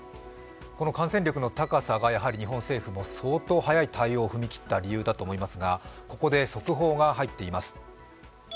感染力の高さが、日本政府が相当早い対策に踏み切った理由だと思いますが、ここで速報が入っています。